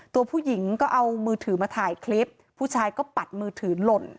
ตัวผู้หญิงก็เอามือถือมาถ่ายคลิปผู้ชายก็ปัดมือถือหล่น